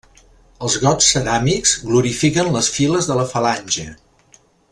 Els gots ceràmics glorifiquen les files de la falange.